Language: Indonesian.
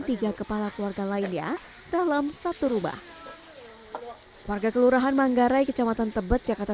tiga kepala keluarga lainnya dalam satu rubah warga kelurahan manggarai kecamatan tebet jakarta